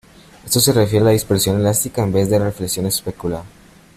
Esto se refiere a la dispersión elástica en vez de reflexión especular.